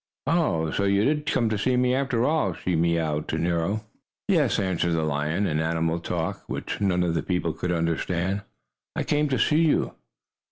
"Oh, so you did come to see me, after all!" she mewed to Nero. "Yes," answered the lion, in animal talk, which none of the people could understand, "I came to see you."